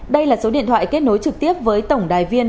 đây là số điện thoại kết nối trực tiếp với tổng đài viên